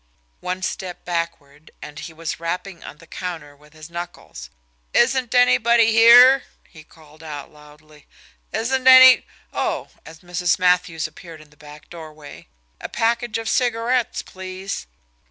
One step backward, and he was rapping on the counter with his knuckles. "Isn't anybody here?" he called out loudly. "Isn't any oh!" as Mrs. Matthews appeared in the back doorway. "A package of cigarettes, please."